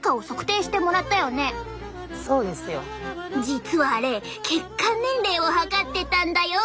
実はあれ血管年齢を測ってたんだよ。